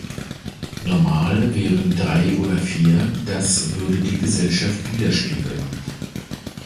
Normal wären drei oder vier; das würde die Gesellschaft widerspiegeln.